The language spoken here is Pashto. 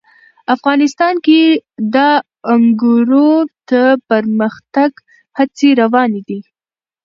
افغانستان کې د انګورو د پرمختګ هڅې روانې دي.